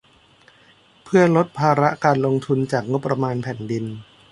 เพื่อลดภาระการลงทุนจากงบประมาณแผ่นดิน